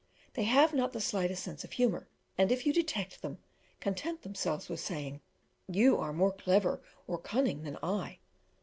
They have not the slightest sense of honour, and if you detect them, content themselves with saying: "You are more clever or cunning than I."